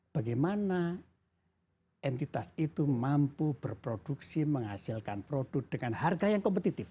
bagaimana entitas itu mampu berproduksi menghasilkan produk dengan harga yang kompetitif